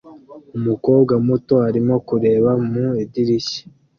Umukobwa muto arimo kureba mu idirishya